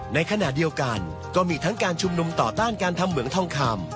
ในขณะเดียวกันก็มีทั้งการชุมนุมต่อต้านการทำเหมืองทองคำ